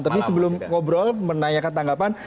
tapi sebelum ngobrol menanyakan tanggapan